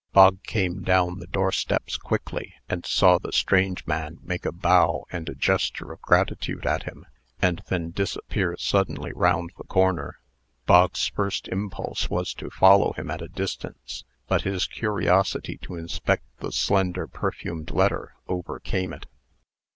Bog came down the door steps quickly, and saw the strange man make a bow and a gesture of gratitude at him, and then disappear suddenly round the corner. Bog's first impulse was to follow him at a distance; but his curiosity to inspect the slender, perfumed letter, overcame it.